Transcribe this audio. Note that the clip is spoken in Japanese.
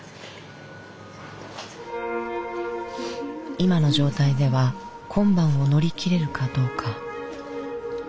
今の状態では今晩を乗り切れるかどうか。